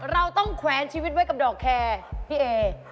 เราต้องแขวนชีวิตไว้กับดอกแคร์พี่เอ